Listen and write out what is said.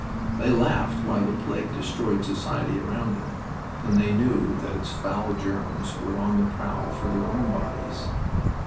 They laughed while the plague destroyed society around them and when they knew that its foul germs were on the prowl for their own bodies...